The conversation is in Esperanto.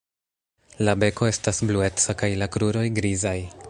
La beko estas blueca kaj la kruroj grizaj.